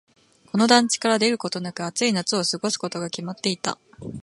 この団地から出ることなく、暑い夏を過ごすことが決まっていた。